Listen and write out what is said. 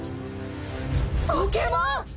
ポケモン！